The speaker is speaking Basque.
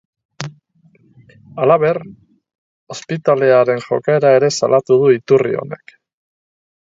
Halaber, ospitalearen jokaera ere salatu du iturri honek.